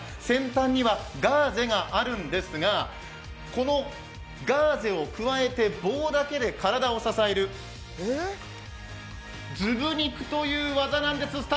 先端にはガーゼがあるんですが、このガーゼをくわえて棒だけで体を支えるズゥブニクという技なんです